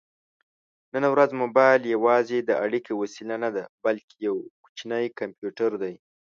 نن ورځ مبایل یوازې د اړیکې وسیله نه ده، بلکې یو کوچنی کمپیوټر دی.